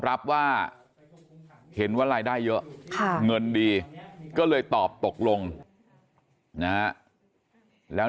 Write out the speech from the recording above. รับว่าเห็นว่ารายได้เยอะเงินดีก็เลยตอบตกลงนะแล้ว